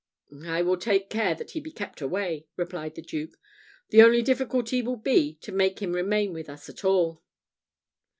"I will take care that he be kept away," replied the Duke. "The only difficulty will be to make him remain with us at all."